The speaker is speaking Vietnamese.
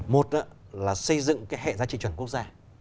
một là xây dựng cái hệ giá trị chuẩn quốc gia